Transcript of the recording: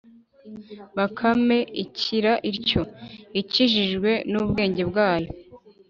Bakame ikira ityo ikijijwe n' ubwenge bwayo